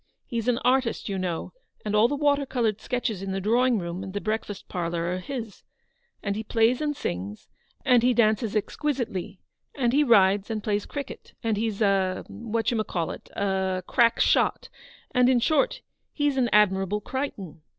He's an artist, you know, and all the water coloured sketches in the drawing room and the breakfast parlour are his ; and he plays and sings, and he dances exquisitely, and he rides and plays cricket, and he's a — what you may call it — a crack shot; and, in short, he's an Admirable Crichton.